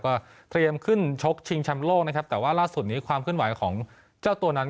ก็เตรียมขึ้นชกชิงแชมป์โลกนะครับแต่ว่าล่าสุดนี้ความเคลื่อนไหวของเจ้าตัวนั้น